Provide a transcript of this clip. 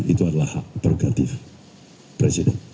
itu adalah hak prerogatif presiden